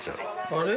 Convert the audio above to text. あれ？